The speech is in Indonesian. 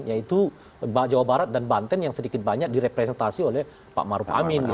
yaitu jawa barat dan banten yang sedikit banyak direpresentasi oleh pak maruf amin